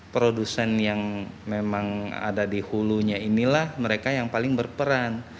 produsen yang memang ada di hulunya inilah mereka yang paling berperan